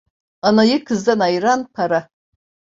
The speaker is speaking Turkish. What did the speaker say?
Anayı kızdan ayıran para.